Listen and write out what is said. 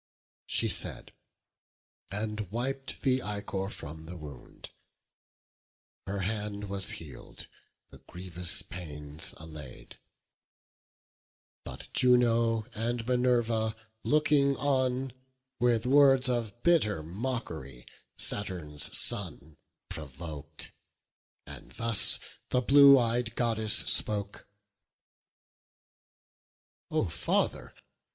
She said; and wip'd the ichor from the wound; The hand was heal'd, the grievous pains allay'd. But Juno and Minerva, looking on, With words of bitter mock'ry Saturn's son Provok'd: and thus the blue ey'd Goddess spoke: "O Father!